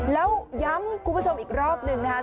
แล้วย้ำคุณผู้ชมอีกรอบหนึ่งนะครับ